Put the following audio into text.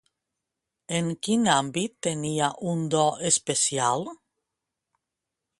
En quin àmbit tenia un do especial?